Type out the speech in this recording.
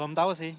belum tahu sih